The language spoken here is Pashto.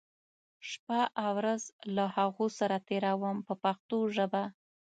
شپه او ورځ له هغو سره تېروم په پښتو ژبه.